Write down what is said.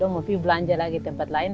mereka mau belanja lagi tempat lain